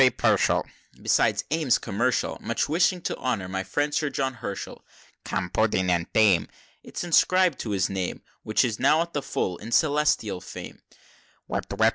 XXXVII. "Fiz bobbery pershal Besides aims commercial, Much wishing to honor my friend Sir John Herschel, Cum puddin and tame, It's inscribed to his name, Which is now at the full in celestial fame."